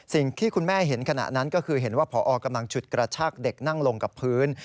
สิ่งที่คุณแม่เห็นขณะนั้นก็คือเห็นว่าพอกำลังฉุดกระชากเด็กนั่งลงกับพื้น